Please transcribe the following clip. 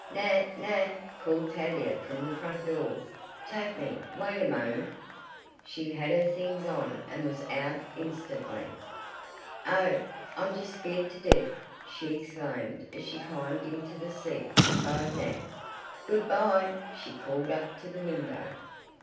"Nat! Nat!" called Tavia from the front door. "Take me! Wait a moment!" She had her things on and was out instantly. "Oh, I'm just scared to death!" she exclaimed as she climbed into the seat beside Nat. "Good by!" she called up to the window.